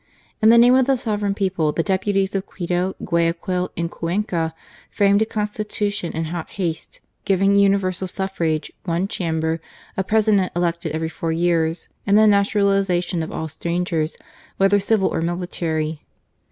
In the name of the sovereign people the deputies of Quito, Guayaquil, and Cuenca framed a constitution in hot haste, giving universal suffrage, one chamber, a President elected every four years and the naturalization of all strangers, whether civil or military.